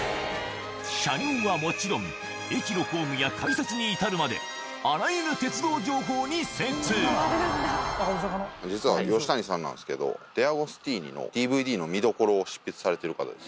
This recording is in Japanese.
車両はもちろん、駅のホームや改札に至るまで、実は吉谷さんなんですけど、デアゴスティーニのＤＶＤの見どころを執筆されてる方です。